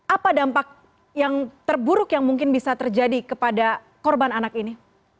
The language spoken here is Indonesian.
apa dampak yang terburuk yang mungkin bisa terjadi kepada korban anak ini